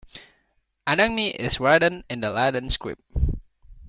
Adangme is written in the Latin script.